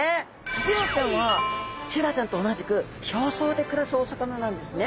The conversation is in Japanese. トビウオちゃんはシイラちゃんと同じく表層で暮らすお魚なんですね。